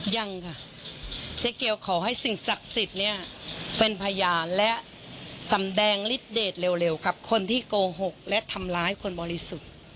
ยังค่ะเจ๊เกียวขอให้สิ่งศักดิ์สิทธิ์เนี่ยเป็นพยานและสำแดงฤทธเดทเร็วกับคนที่โกหกและทำร้ายคนบริสุทธิ์